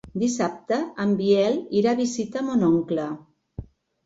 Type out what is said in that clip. Dissabte en Biel irà a visitar mon oncle.